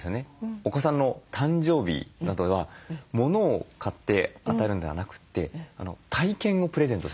お子さんの誕生日などはモノを買って与えるのではなくて体験をプレゼントすることにしてると。